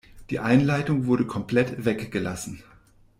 Die Einleitung wurde komplett weggelassen.